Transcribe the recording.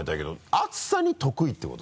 熱さに得意ってこと？